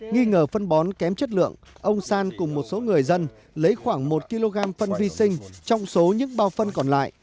nghi ngờ phân bón kém chất lượng ông san cùng một số người dân lấy khoảng một kg phân vi sinh trong số những bao phân còn lại